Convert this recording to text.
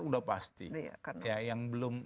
udah pasti ya yang belum